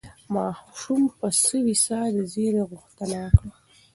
ماشوم په سوې ساه د زېري غوښتنه کوله.